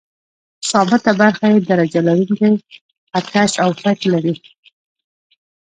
ثابته برخه یې درجه لرونکی خط کش او فک لري.